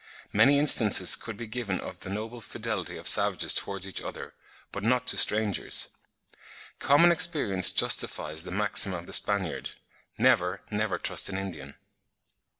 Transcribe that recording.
Many instances could be given of the noble fidelity of savages towards each other, but not to strangers; common experience justifies the maxim of the Spaniard, "Never, never trust an Indian."